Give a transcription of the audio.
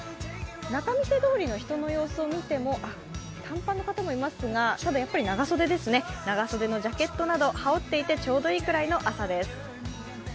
仲見世通りの人の様子を見ても短パンの方もいますがやっぱり長袖ですね、長袖のジャケットなど羽織っていてちょうどいいくらいの朝です。